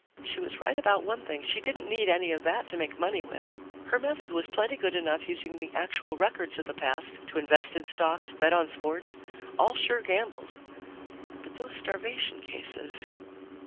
She was right about one thing: she didn't need any of that to make money with; her method was plenty good enough, using the actual records of the past to invest in stocks, bet on sports all sure gambles. But those starvation cases....